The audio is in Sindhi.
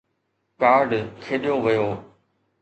ڪارڊ کيڏيو ويو.